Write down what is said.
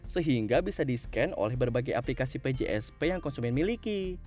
sehingga bisa di scan oleh berbagai aplikasi pjsp yang konsumen miliki